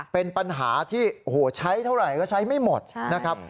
เป็นปัญหาที่ใช้เท่าไหร่ก็ใช้ไม่หมดนะครับ